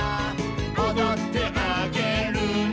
「おどってあげるね」